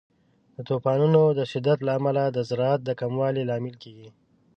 د طوفانونو د شدت له امله د زراعت د کموالي لامل کیږي.